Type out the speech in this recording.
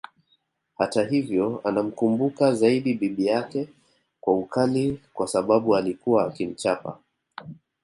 Hata hivyo anamkumbuka zaidi bibi yake kwa ukali kwa sababu alikuwa akimchapa